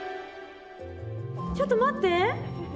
ちょっと待って。